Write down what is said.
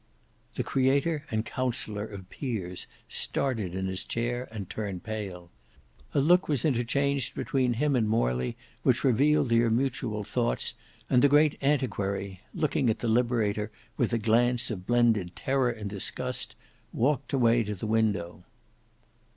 The creator and counsellor of peers started in his chair and turned pale. A look was interchanged between him and Morley which revealed their mutual thoughts, and the great antiquary—looking at the Liberator with a glance of blended terror and disgust—walked away to the window.